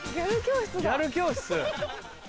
ギャル教室。